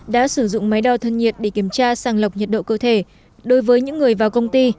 đã sử dụng máy đo thân nhiệt để kiểm tra sàng lọc nhiệt độ cơ thể đối với những người vào công ty